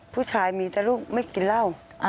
ผู้ชายมีแต่ลูกไม่กินเหล้า